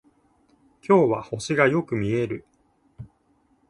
今日は星がよく見える